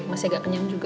masih gak kenyang